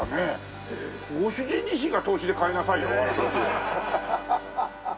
ご主人自身が投資で買いなさいよ他の土地。